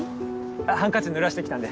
ハンカチぬらして来たんで。